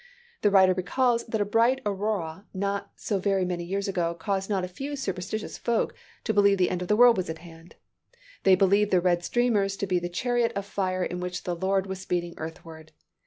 The writer recalls that a bright aurora not so very many years ago caused not a few superstitious folk to believe the end of the world was at hand. They believed the red streamers to be the chariot of fire in which the Lord was speeding earthward.